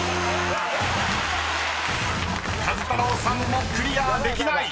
［壱太郎さんもクリアできない。